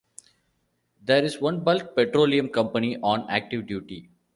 There is one Bulk petroleum Company on Active Duty.